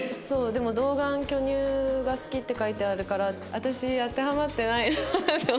でも童顔巨乳が好きって書いてあるから私当てはまってないなと思って。